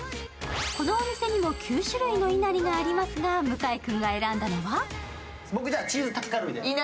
このお店にも９種類のいなりがありますが、向井君が選んだのは？